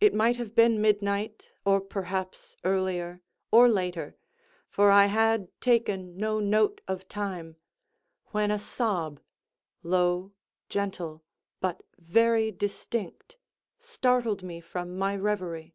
It might have been midnight, or perhaps earlier, or later, for I had taken no note of time, when a sob, low, gentle, but very distinct, startled me from my revery.